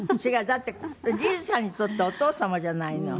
だってリズさんにとってはお父様じゃないの。